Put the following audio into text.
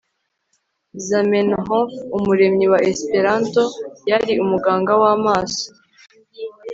zamenhof, umuremyi wa esperanto, yari umuganga w'amaso